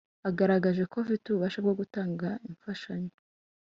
agaragaje ko afite ubushake bwo gutanga ifashanyo